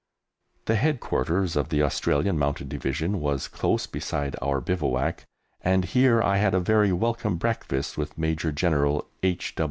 The Headquarters of the Australian Mounted Division was close beside our bivouac, and here I had a very welcome breakfast with Major General H.